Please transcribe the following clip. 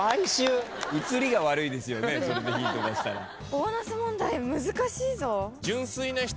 ボーナス問題難しいぞ。